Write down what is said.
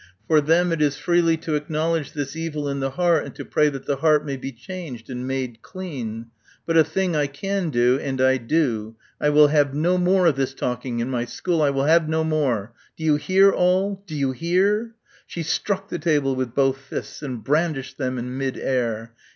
For them it is freely to acknowledge this evil in the heart and to pray that the heart may be changed and made clean. "But a thing I can do and I do.... I will have no more of this talking. In my school I will have no more.... Do you hear, all? Do you hear?" She struck the table with both fists and brandished them in mid air.